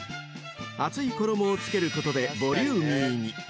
［厚い衣をつけることでボリューミーに］